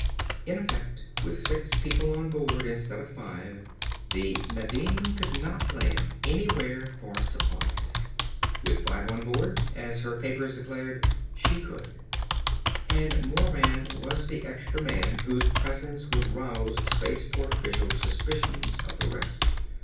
In effect, with six people on board instead of five, the Nadine could not land anywhere for supplies. With five on board, as her papers declared, she could. And Moran was the extra man whose presence would rouse space port officials' suspicion of the rest.